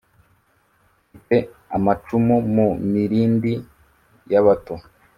Mfite amacumu mu milindi y’abato,